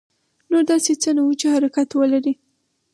نور داسې څه نه وو چې حرکت ولري.